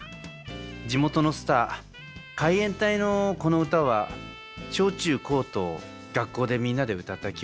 地元のスター海援隊のこの歌は小中高と学校でみんなで歌った記憶があります」ということですね。